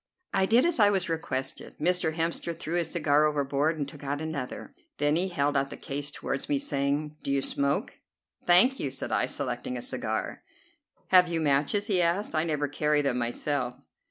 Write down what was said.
I did as I was requested. Mr. Hemster threw his cigar overboard and took out another. Then he held out the case toward me, saying: "Do you smoke?" "Thank you," said I, selecting a cigar. "Have you matches?" he asked, "I never carry them myself."